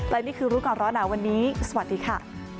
และนี่คือรู้ก่อนร้อนหนาวันนี้สวัสดีค่ะ